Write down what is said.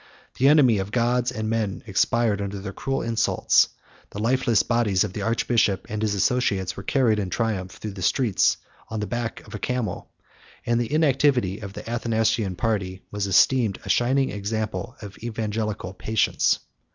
The enemies of gods and men expired under their cruel insults; the lifeless bodies of the archbishop and his associates were carried in triumph through the streets on the back of a camel; 12011 and the inactivity of the Athanasian party 121 was esteemed a shining example of evangelical patience.